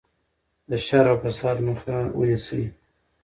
د شر او فساد مخه ونیسئ.